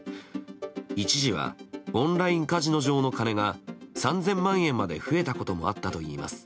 一時はオンラインカジノ上の金が３０００万円まで増えたこともあったといいます。